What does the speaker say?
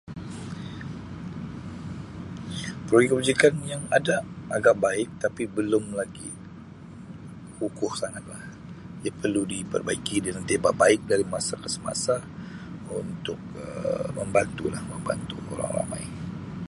Program kebajikan yang ada ada baik tapi belum lagi kukuh sangatlah dia perlu diperbaiki dan ditambah baik dari masa ke semasa untuk Um membantu membantulah orang ramai.